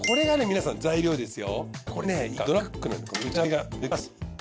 皆さん材料ですよ。